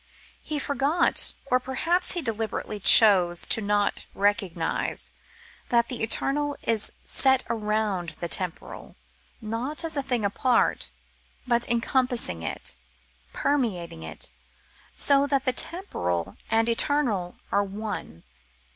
He forgot, or perhaps he deliberately chose not to recognise, that the eternal is set around the temporal, not as a thing apart, but encompassing it, permeating it, so that temporal and eternal are one.